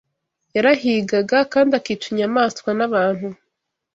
yarahigaga kandi akica inyamaswa n’abantu.